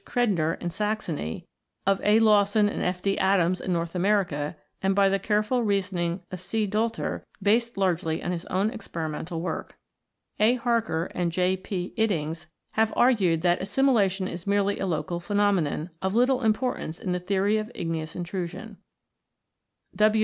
Credner in Saxony, of A. Lawson and F. D. Adams in North America, and by the careful reasoning of C. Doelter(69), based largely on his own experimental work. A. Barker (70) and J. P. Iddings(7i) have argued that assimilation is merely a local phenomenon, of little importance in the theory of igneous intrusion.